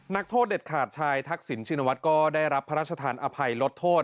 นักโทษเด็ดขาดชายทักษิณชินวัฒน์ก็ได้รับพระราชทานอภัยลดโทษ